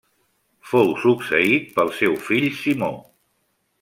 Fou succeït pel seu fill Simó.